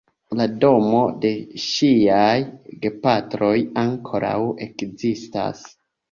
La domo de ŝiaj gepatroj ankoraŭ ekzistas.